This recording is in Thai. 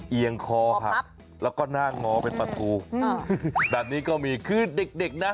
เอียงคอหักแล้วก็หน้างอเป็นประตูแบบนี้ก็มีคือเด็กเด็กนะ